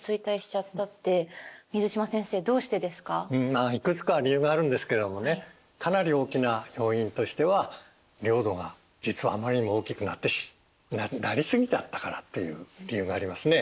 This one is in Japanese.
まあいくつか理由があるんですけどもねかなり大きな要因としては領土が実はあまりにも大きくなりすぎちゃったからっていう理由がありますね。